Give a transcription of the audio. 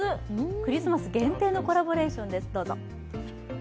クリスマス限定のコラボレーションです。